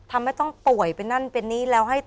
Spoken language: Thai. ทำให้ต้องป่วยเป็นนั่นเป็นนี่แล้วให้